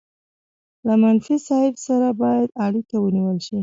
له مفتي صاحب سره باید اړیکه ونیول شي.